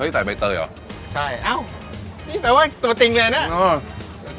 เฮ้ยใส่ใบเตยอ๋อใช่เอานี่แต่ว่าตลอดจริงเลยนะคะ